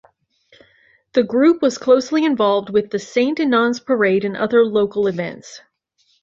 The group was closely involved with the Saint Inan's parade and other local events.